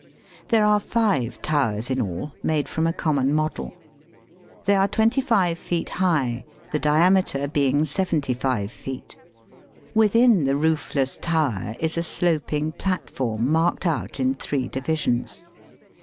There are five towers in all, made from a common model. They are twenty five feet high, the diameter being seventy five feet. Within the roofless tower is a sloping platform marked out in three divisions.